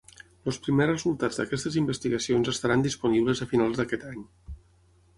Els primers resultats d'aquestes investigacions estaran disponibles a finals d'aquest any.